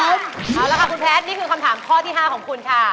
เอาละค่ะคุณแพทย์นี่คือคำถามข้อที่๕ของคุณค่ะ